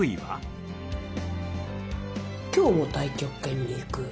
今日も太極拳に行く。